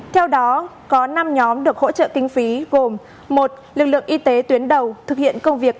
theo đó có năm nhóm được hỗ trợ kinh phí gồm một lực lượng y tế tuyến đầu thực hiện công việc